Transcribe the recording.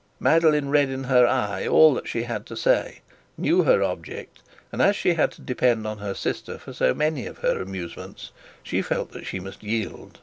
Madeline read in her eye all that she had to say, knew her object, and as she had to depend on her sister for so many of her amusements, she felt that she must yield.